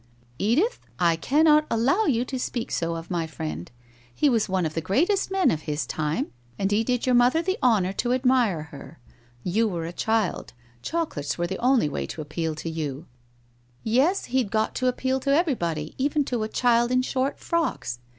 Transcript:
1 Edith, I cannot allow you to speak so of my friend. He was one of the greatest men of his time and he did 112 WHITE ROSE OF WEARY LEAF your mother the honour to admire her. You were a child, chocolates were the only way to appeal to you ' 1 Yes, he'd got to appeal to everybody, even to a child in short frocks.